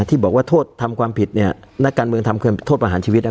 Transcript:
ที่บอกว่าโทษทำความผิดนักการเมืองทำโทษประหารชีวิต